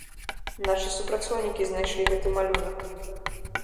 Нашы супрацоўнікі знайшлі гэты малюнак.